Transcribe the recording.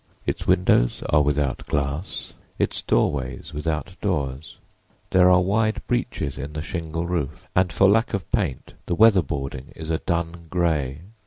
Its windows are without glass, its doorways without doors; there are wide breaches in the shingle roof, and for lack of paint the weatherboarding is a dun gray.